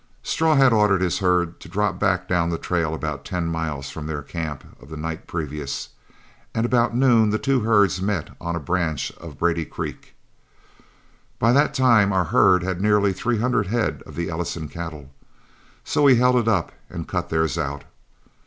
Straw had ordered his herd to drop back down the trail about ten miles from their camp of the night previous, and about noon the two herds met on a branch of Brady Creek. By that time our herd had nearly three hundred head of the Ellison cattle, so we held it up and cut theirs out.